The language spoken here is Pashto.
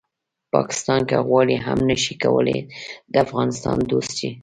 پاکستان که وغواړي هم نه شي کولی د افغانستان دوست شي